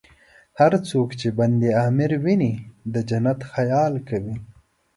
هر څوک چې بند امیر ویني، د جنت خیال کوي.